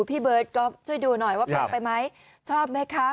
พี่เบิร์ตก๊อฟช่วยดูหน่อยว่าแปลกไปไหมชอบไหมคะ